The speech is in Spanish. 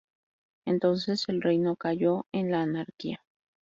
Entonces el reino cayó en la anarquía.